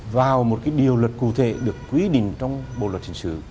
vào một cái điều luật cụ thể được quy định trong bộ luật hình sự